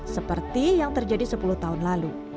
seperti yang terjadi sepuluh tahun lalu